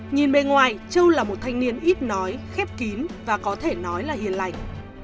nhìn bề ngoài châu là một thanh niên ít nói khép kín và có thể nói là hiền lành